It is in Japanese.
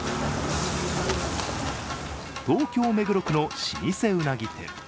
東京・目黒区の老舗うなぎ店。